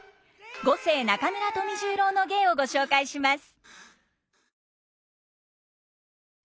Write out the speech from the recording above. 五世中村富十郎の芸をご紹介します。